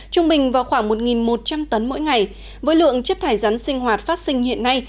trung bình vào khoảng một một trăm linh tấn mỗi ngày với lượng chất thải rắn sinh hoạt phát sinh hiện nay